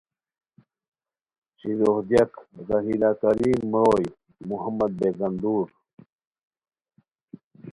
شیلوغ دیاک: رحیلہ کریم مروئے محمد بیگاندور